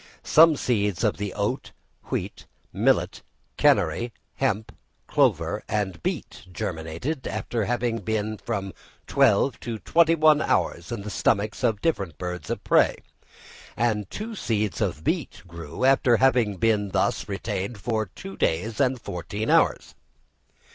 Some seeds of the oat, wheat, millet, canary, hemp, clover, and beet germinated after having been from twelve to twenty one hours in the stomachs of different birds of prey; and two seeds of beet grew after having been thus retained for two days and fourteen hours.